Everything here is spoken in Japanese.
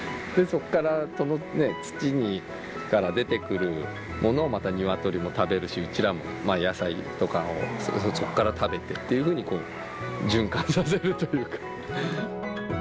そこから、その土から出てくるものをまたニワトリも食べるし、うちらも、野菜とか、そこから食べて、循環させるというか。